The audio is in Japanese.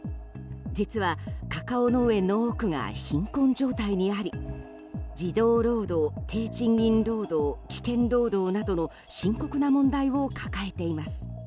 実は、カカオ農園の多くが貧困状態にあり児童労働、低賃金労働危険労働などの深刻な問題を抱えています。